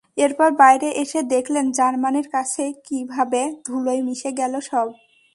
এরপর বাইরে বসে দেখলেন জার্মানির কাছে কীভাবে ধুলোয় মিশে গেল সব।